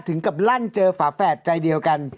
ถึงกับลั่นเจอฝาแฝดใจเดียวกัน